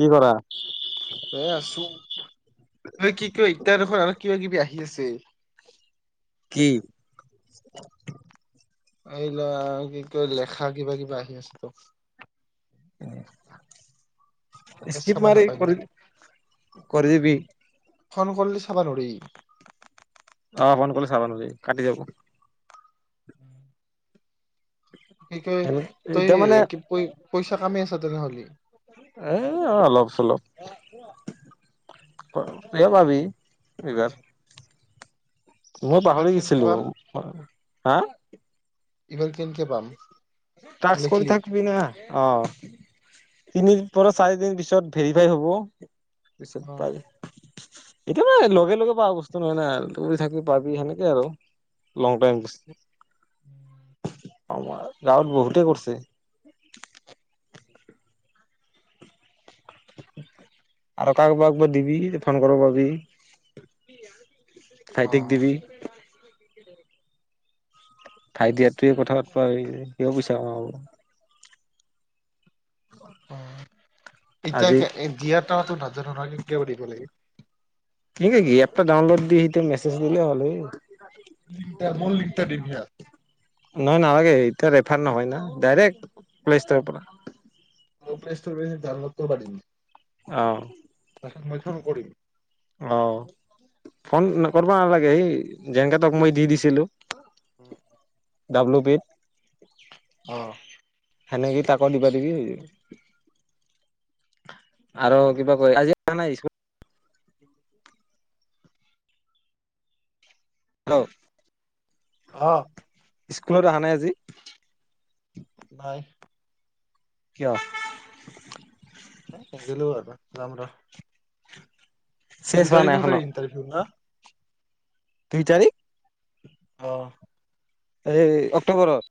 কি কৰা? এ আছো তই কি ক এয়া দেখৰ আৰু কিবা কিবি আহি আছে। কি? আহ ল কি কয় লেখা কিবা কিবা আহি আছে। উ [inaudible] এ স্কিপ চাবা মাৰ নাপালো কৰি কৰি দিবি। ফোন কৰিলে চাবা নৰি। অ' ফোন কৰিলে চাব নোজ কাটি যাব। উম। কি কয় তই এতিয়া মানে কি প পইচা কামি আছ তেনেহ'লে। এ অলপ চলপ। তইয়ো ভাবি এইবাৰ। মই ইবাৰ পাহৰি কেনকে গৈছিলো, পাম হা ইফাৰ কেনক পাম। াস্ কৰি লিখলি থাকবি না। অ' তিনৰ পৰা চাৰিদিন পিছত ভেৰিফাই হব। পিছত অ পালি। এতিয়া মানে লগে লগে পাৱা বস্তু নহয় না আৰু দোৰি থাকিলে পাবি সেনেকে আৰু। লং টাইমছ। উম [inaudible] আমাৰ গাঁৱত বহুতে কৰিছে। আৰু কাক কাকবা দিবি একদিবি ফোন কৰ পাবি। অ ভাইটিক দিবি। ভাইটি আৰু তয়ে কথা পাতবা পাবি হিও পইছা কামাব। অ' এতিয়া আজি দিয়া তাওটো নাজানোঁ নহয় কেঙকেবা দিব লাগে। কেঙকে কি এপটা ডাউনলোড দি সেইটো মেছেজ দিলে হল। লিংটাৰ মোৰ লিং টা দিম সিয়াক। নহয় নালাগে এতিয়া ৰেফাৰ নহয় না ডাইৰেক্ট প্লে' ষ্টৰৰ পৰা। অ' প্লেস্তোৰ পৰা পৰা ডাউনলোড। অহ মই ফোন কৰিম। অ' ফোন কৰিবা নালাগে সি জেংকে মই টোক দি দিছিলোঁ। উম ডাব্লু বিট। অহ সেনেকেই তাকো দিবা দিবি। আৰু কিবা কৈ আজি আহা নাই। হেল্লো অ'। স্কুলত অহা নাই আজি। নাই। কিয়? নেগেলো আৰু যামৰ। চেচ দুই হোৱা নাই তাৰিখৰ পৰা এখনো ইণ্টাৰভিউ ন? দুই তাৰিখ। অহ এই অক্টোবৰত।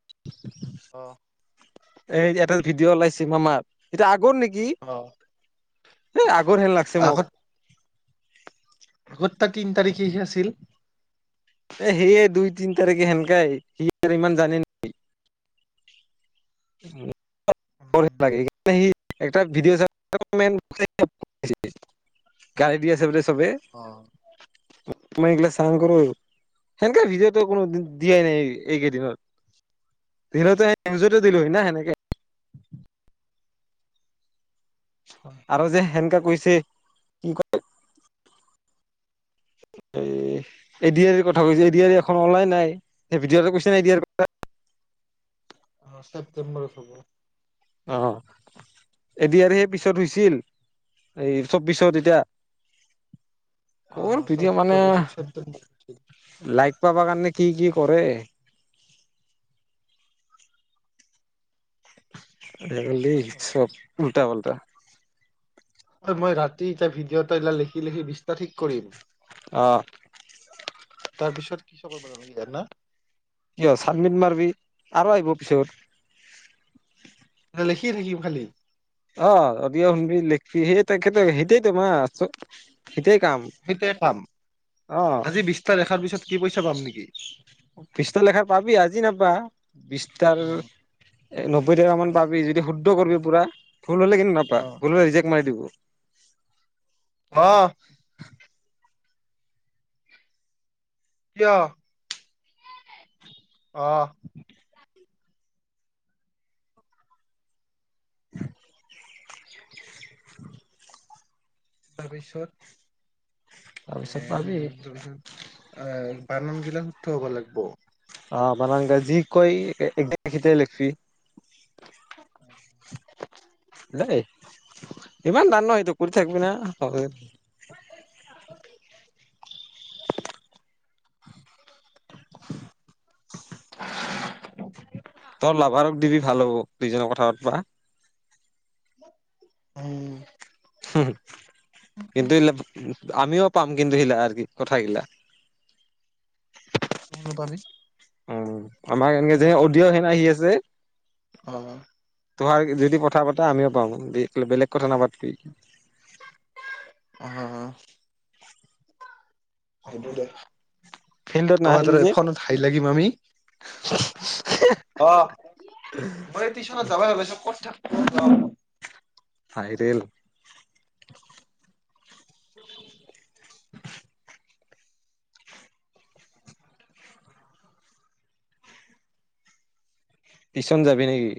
অ'। এই এটা ভিডিঅ ওলাইছে মামাৰ, সেইটো আগৰ নেকি? অ' কি হেই আগৰ হেন লাগছে মোক। আগতটা তিন তাৰিখেহে আছিল। এ সেই দুই তিন তাৰিখে সেনেকাই, সি আৰু ইমান জানে নি। বৰিং উম, লাগে সি সি এটা ভিডিঅ' চাই ক'মেন গালি দি আছে বুলি চোন। ছোবে, অ' মই এইবিলাক নকৰো, সেনেকা ভিডিঅ'তটো কোনো দিয়াই নাই এইকেইদিনত। দিলেটো সেই নিউজতো দিলোহ‌ই না সেনেকে আৰু যে সেনেকে কৈছে কি কয় এই এডি আৰ কথা কৈছে এডিয়াৰ এখন ওলাই নাই সি ভিডিঅটোত কৈছে নাই এডিয়াৰ কথা। [unintelligible] অ' ছেপ্টেম্বৰত হব। অ' এডিয়াৰ হে পিছত হৈছিল। এই চৌবিশত তেতিয়া ক'ৰ অ' চব ভিডিঅ' মানে চৌবিছত ছেপ্টেম্বৰত লাইক পাবা কাৰণে কি কি কৰে। লেবেল হয় দি চব উল্টা পাল্টা। হয় মই ৰাতি ভিডি'অ এটা এই লিখি লিখি বিচ টা ঠিক কৰিম। অ তাৰ পিছত কি চকলালে, তুমি জানা। কিয় চাবমিট মাৰিবি, আৰু আহিব পিছত। লিখিয়ে থাকিম খালি। অ' অডি'অ শুনবি লিখিবি সেই তাকেটো সেইটোয়ে তোমাৰ সইটোয়ে কাম। সেইটোৱে কাম অ আজি বিশটা লেখাৰ পিছত কি পইচা পাম নেকি? বিছটাৰ লেখা পাবি, আজি নাপাৱ। বিছটাৰ অ' এ নব্বৈ টকা মান পাবি। যদি শুদ্ধ কৰিবি পুৰা ভুল হলে কিন্তু নাপাৱ, অ' ভুল হলে ৰিজেক্ট মাৰি দিব। হঁ কিয়। আহ উম [unintelligible] তাৰপিছত এ তাৰপিছত পাবি তাৰপিছত আহ বানান গিলা শুদ্ধ হ'ব লাগিব। আহ মানং গা যি কয় একদখিতে লিখছি। দেই ইমান দান নহয়তো কৰি থাকিবি ন। [inaudible] [inaudible] [inaudible] তই লাভাৰক দিবি ভাল হ'ব, দুইজনে কথা পাতবা। উম উ এটোু ইিল [unintelligible] আমিও পাম কিন্তু সিলা আৰু কি কথাগিলা। শুনো পাবি উম আমাৰ এনেকে যেনে অডি'অ সনে আহি আছে অ' তোহাৰ যদি কথা পাতে আমিও পাম বেলেগ কথা নাপাত। আহ। সেইটো দে ফিল্ডত কবাত নাহিলি ত যে ফোনত হহি লাগিম আমি। অ' মইটি চনত যাব ভ ক'ত থাক য। ভাইৰেল। [inaudible] টিচন যাবি নেকি?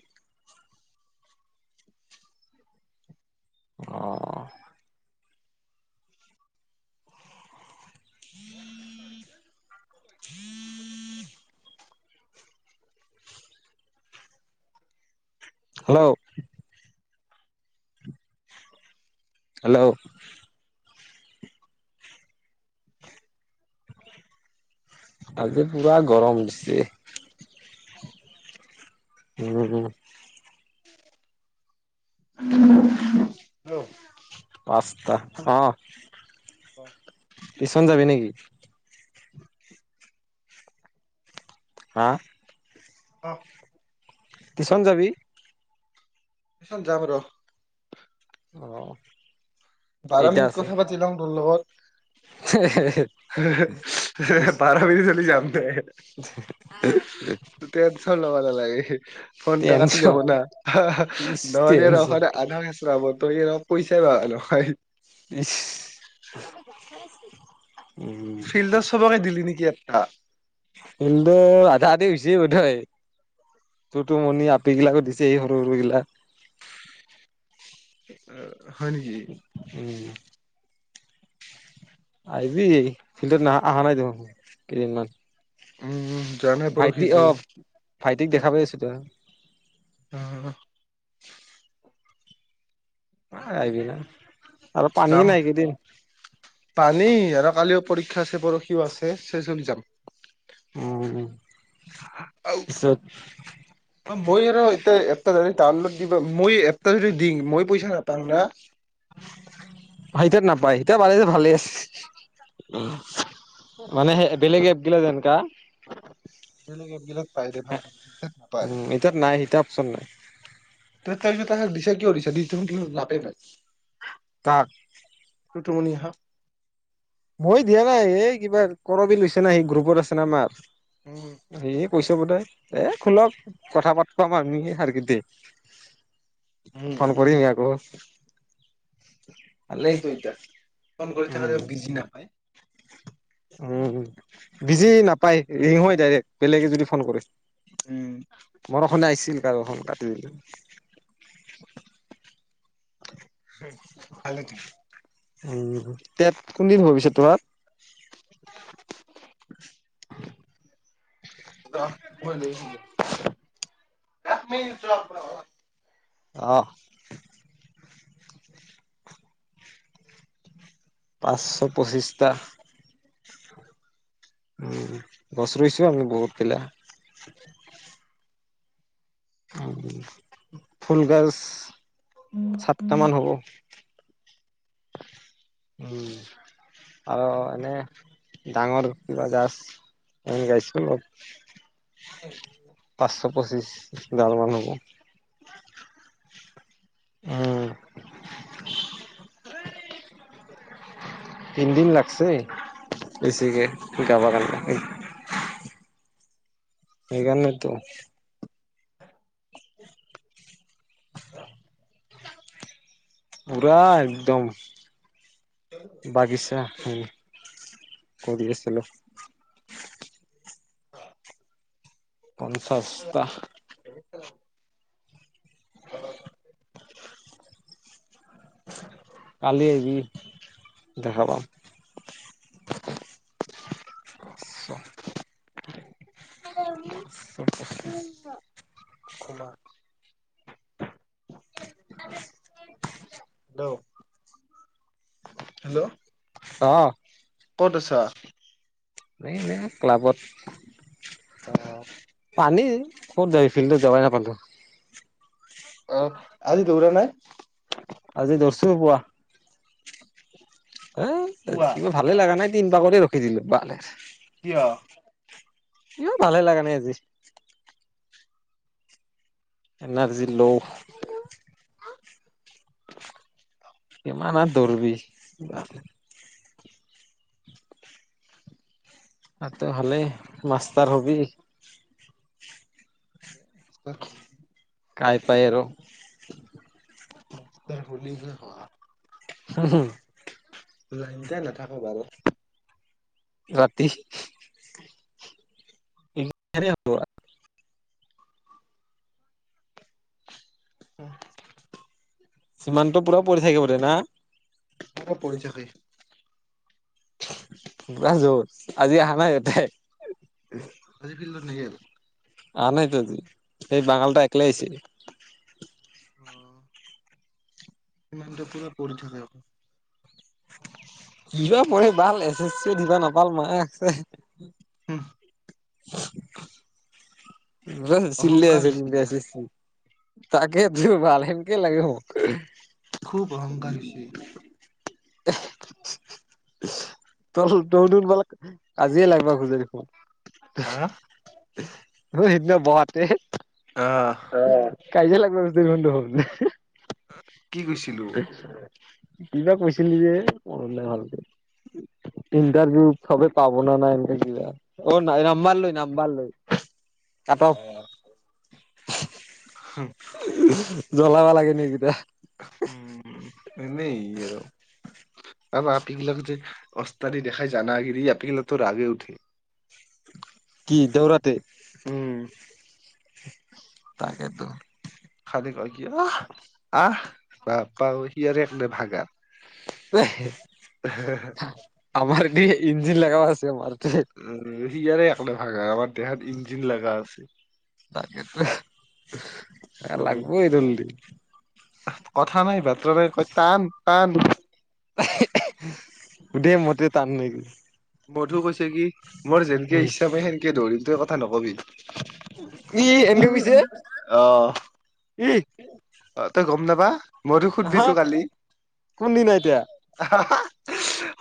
অ'। [unintelligible] হেল্ল' হেল্ল' আজি পুৰা গৰম দিছি। উ [inaudible] উম। উম। পাাস্তা অ'। টিউচন যাবি নেকি? হা? অ' টিউচন যাবি? টিচত যাম ৰ। আহ। বাৰ মিনিট কথা পাতি লওঁ তোৰ লগত। ইচ বাৰ মিনিট হলে যাম। [unintelligible] লাগে ফোন কাটি যাব টেনচন না ইচ নহলে নখ টেনচন আধা [inaudible] তই অপ কৈছ বাৰ। [inaudible] ফিল্ডাৰ সভকে দিলি নেকি একটা? এটো আধা আধি হৈছি বধই। তোৰ [unintelligible] আপিগিলাকো দিছে সৰু সৰু গিলা। আহ হয় নেকি? উম আহিবি ফিল্ডত ন অহা নাই দেখোন কেইদিনমান। উম উম। ভাইটি অ' ভাইটিক দেখা পাই আছো। উম। আহিবিনা যাম কালি আৰু কালিও পৰীক্ষা আছে পৰশিও আছে চেছ হলি যাম উম পিছত মই আৰু এতিয়া ইয়াত এ য তাৰ লগ দিব মই এপটা যদি দিম মই পইচা নাপাম না এতিয়া নাপায় এতিয়া পালেটো ভালে আছে মানে সেই বেলেগে দিলে যেনকা বেলেগে বিলত পাই দে ভাল নাপায়। উম এতিয়াত নাই সিতা অপচন নাই ত তাৰপিছতাক দিছা কিয় দিছা দি কি [inaudible] কাক? [unintelligible] মই দিয়া নাই এই কিবা কৰবি লৈছে না সি গ্ৰুপত আছে না মাৰ উম সেয় কৈছে। এ খোলক কথা পাত পাম আমি [inaudible] উম ফোন উম কৰিম আকৌ। ভালে ভালেতো এইটা ফোন কৰি থাক [inaudible] উ বিজি নাপায় ইহ ডাইৰেক্ বেলেগে যদি ফোন কৰে উম বৰষুণ আহিছিল [unintelligible] কাটি দিলো ভালেতো উ তাত কোন দিন [unintelligible] [inaudible] [unintelligible] আহ ম [unintelligible] আহ পাঁচশ পঁচিছটা উম গছ ৰুইছো আমি বহুত কেইটা ফুলগাজ সাতটামান হ'ব উম আৰু এনেই ডাঙৰ কিবা গাজ এনে লগাইছো পাঁচশ পঁচিছ [unintelligible] হ'ব উ উ তিনদিন লাগছে বেছিকে লগাবা কানে সেইকাৰণে তো পূৰা একদম বাগিচা উম কৰি আছিলো। অ পঞ্চাছটা কালি আহি দেখাপাম আচছা আচ্ছা খুলা ন হেল্ল'। অ। ক'ত আছা? এই ক্লাবত। অ পানী কত যায় ফিল্ডত যাবাই নাপামটো অ আজি দৌৰা নাই আজি দৈছো পোৱা হেই পুৱা কিবোৰ ভালে লগা নাই তিন পাকতে ৰখি দিলো বাল কিয়? ইমান ভালে লাগা আজি। এাৰ্জি ল। কিমান আৰু দৌৰবি? আটো ভালে মাষ্টষ্টাৰ হবি। [inaudible] কাই পায় আৰু। হলি হে হ লাইনতে নাথাকো বাৰু ৰাতি কেনেকে হ'ব আৰু উ সিমানটো পুৰা পৰি থাকিব দে না পৰি থাকে। যত আজি অহা নাই ইতে। আজি ফিল্লৰ নগেল। আ নাইতো আ এইেই বাঙালটা একলে আহিছি। ইমান পুৰা প থ কিবা পঢ় ভাল এছ এ চি দিবা নাপাল মায়ে আছে। উম [inaudible] চিল অহংকাৰ আছে হৈছে ইয়াৰ আজি। তাকে দু ভালনক লাগে মোক। খুব অহংকাৰ হৈছে তল দেউ দন মল। আজিয়ে লাগিবা খোজৰি দেখ, হা সেইদিনা বহাতে। আহ। কাইজিয়া লাগবা ধৰিছিল কি কৈছিলো? কিবা কৈছিল যে, ম নাই ভালকে। ইণ্টাৰভিউ চবে পাব ন নাই, এনে কিবা অ নাই নাম্বাৰ লৈ নাম্বাৰ লৈ। আহ তাৰপৰা জ্বলাবা লাগে নেকেইতিয়া। উম এ আৰু ত আপিগিলাক যে অস্তাৰি দেখাই জানাগৰি আপিগিলাকো ৰাগে উঠে। কি দউৰাতে? উম তাকেই তো। তেনেুৱা ক অ' আহ প পা সিবাৰে গটে নে ভাগাৰ। আমাৰ, দ ইঞ্জিন লাগাবা আছে মাৰ। উ ইয়াৰ এক ভাাগা আমাৰ দেহাত ইঞ্জিন লাগা আছে। তাক আৰু লাগিব এই দললি। কথা নাই বাটৰা নাই ক টান টান বু দে মতে টান নেক মধু কৈছে কি, মোৰ যেনকে ইচ্ছা পায় সেনেকে ধৰিম তই কথা নকবি। ই এনেকে কৈছে আহ। ই অ' তই গম নাবা, মইতো সুধবি তো কালি। কোন দিন এ এতিয়া?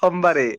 সোমবাৰে।